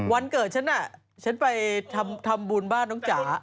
วันเกิดฉันน่ะฉันฉันไปทำบุญบ้านน้องจ๋า